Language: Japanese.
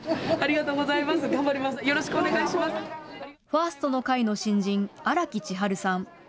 ファーストの会の新人、荒木千陽さん。